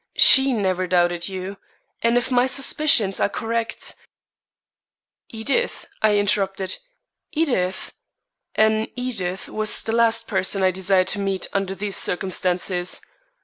she never doubted you; and if my suspicions are correct " "Edith?" I interrupted, "Edith?" An Edith was the last person I desired to meet under these circumstances.